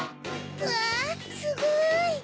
うわすごい！